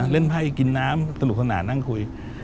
ไพ่กินน้ำสนุกสนานนั่งคุย